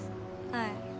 はい。